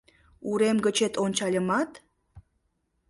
Урем гычет ончальымат